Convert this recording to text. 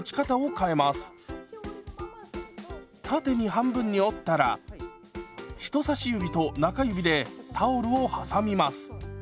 縦に半分に折ったら人差し指と中指でタオルを挟みます。